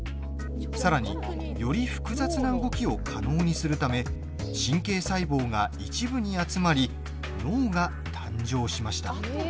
さらに、より複雑な動きを可能にするため神経細胞が一部に集まり脳が誕生しました。